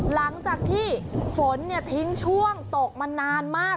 หลังจากที่ฝนทิ้งช่วงตกมานานมาก